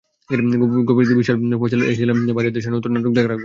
গোপীবাগের রিশাদ ফয়সাল এসেছিলেন বাইরের দেশের নতুন নাটক দেখার আগ্রহ নিয়েই।